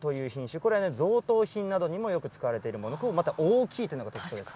これは贈答品などにもよく使われているもの、また大きいというのも特徴です。